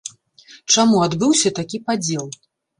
Чаму адбыўся такі падзел?